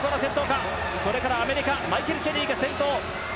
それからアメリカマイケル・チェリーが先頭。